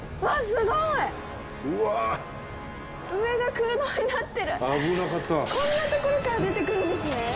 わっすごいわあ危なかったこんなところから出てくるんですね